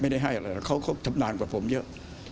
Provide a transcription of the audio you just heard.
ไม่ได้ให้อะไรเขาทำนานกว่าผมเยอะ